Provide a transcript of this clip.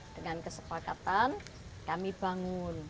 dengan kesepakatan kami bangun